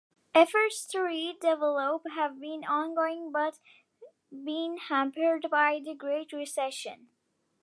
Efforts to redevelop have been ongoing but been hampered by the Great Recession.